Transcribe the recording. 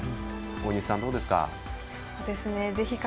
大西さん、どうですか。